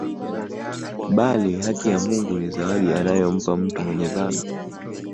Bali haki ya Mungu ni zawadi anayompa mtu mwenye dhambi